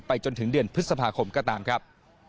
จนถึงเดือนพฤษภาคมก็ตามครับ